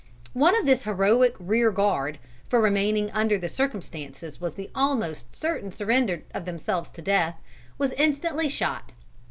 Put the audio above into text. One of this heroic rear guard for remaining under the circumstances was the almost certain surrender of themselves to death was instantly shot.